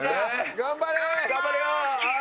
頑張れー！